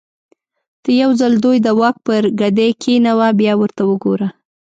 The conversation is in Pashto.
ته یو ځل دوی د واک پر ګدۍ کېنوه بیا ورته وګوره.